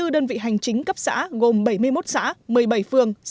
chín mươi bốn đơn vị hành chính cấp xã gồm bảy mươi một xã một mươi bảy phường